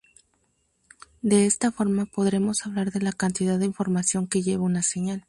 De esta forma, podremos hablar de la cantidad de información que lleva una señal.